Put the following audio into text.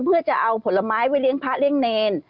เพื่อจะเอาผลไม้ไปเลี้ยงพระเลี้ยงเนร